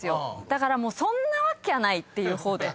だからそんなわきゃないっていう方で。